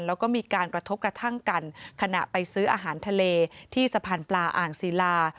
แล้วก็มีการกระทบกระทั่งกันขณะไปซื้ออาหารทะเลที่สะพานปลาอ่างศิลา